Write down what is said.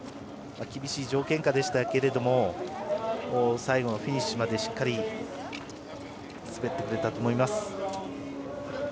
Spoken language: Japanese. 厳しい条件下でしたけども最後のフィニッシュまでしっかり滑ってくれたと思います。